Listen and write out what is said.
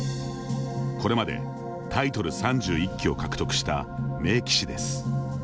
これまでタイトル３１期を獲得した名棋士です。